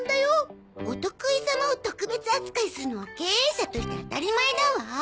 お得意様を特別扱いするのは経営者として当たり前だわ。